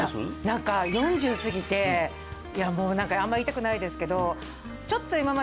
何か４０過ぎていやもうあんまり言いたくないですけどちょっとえっ！？